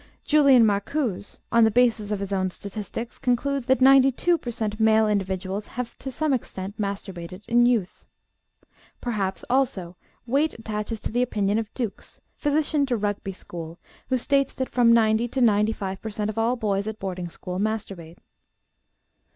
Julian Marcuse, on the basis of his own statistics, concludes that 92 per cent. male individuals have to some extent masturbated in youth. Perhaps, also, weight attaches to the opinion of Dukes, physician to Rugby School, who states that from 90 to 95 per cent. of all boys at boarding school masturbate.